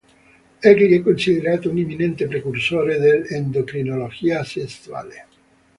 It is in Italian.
Egli è considerato un eminente precursore dell'endocrinologia sessuale.